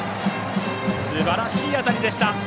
すばらしい当たりでした。